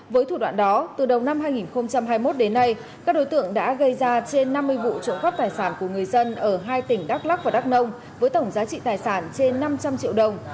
với thủ đoạn đó từ đầu năm hai nghìn hai mươi một đến nay các đối tượng đã gây ra trên năm mươi vụ trộm cắp tài sản của người dân ở hai tỉnh đắk lắc và đắk nông với tổng giá trị tài sản trên năm trăm linh triệu đồng